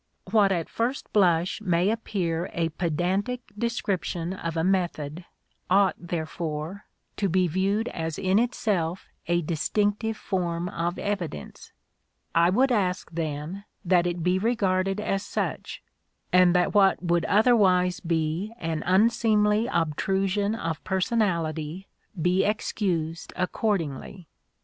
What at first blush may appear a pedantic de scription of a method ought, therefore, to be viewed as in itself a distinctive form of evidence. I would ask, then, that it be regarded as such, and that what would otherwise be an unseemly obtrusion of personality be excused accordingly.